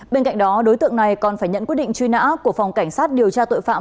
bên cạnh đó đối tượng này còn phải nhận quyết định truy nã của phòng cảnh sát điều tra tội phạm